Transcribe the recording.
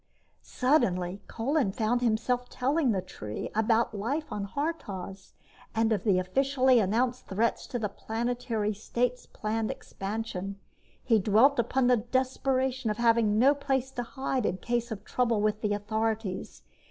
Suddenly, Kolin found himself telling the tree about life on Haurtoz, and of the officially announced threats to the Planetary State's planned expansion. He dwelt upon the desperation of having no place to hide in case of trouble with the authorities.